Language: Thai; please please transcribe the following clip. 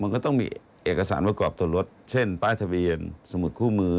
มันก็ต้องมีเอกสารประกอบตัวรถเช่นป้ายทะเบียนสมุดคู่มือ